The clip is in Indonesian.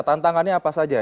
tantangannya apa saja